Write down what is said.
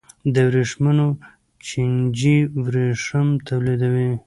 د ورېښمو چینجی ورېښم تولیدوي